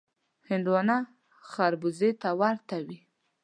هندوانه خړبوزه ته ورته وي.